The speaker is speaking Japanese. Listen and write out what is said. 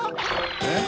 えっ？